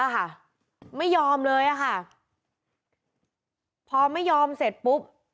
พอไม่ยอมเสร็จปุ๊บ